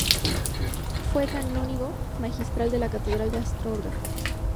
Fue canónigo magistral de la catedral de Astorga.